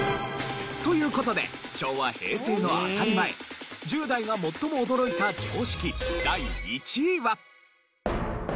という事で昭和・平成の当たり前１０代が最も驚いた常識第１位は！